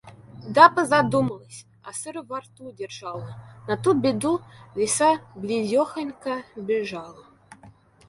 Да позадумалась, а сыр во рту держала. На ту беду Лиса близёхонько бежала;